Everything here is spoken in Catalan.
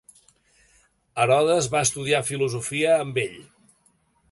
Herodes va estudiar filosofia amb ell.